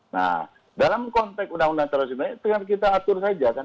nah dalam konteks undang undang terorisme tinggal kita atur saja kan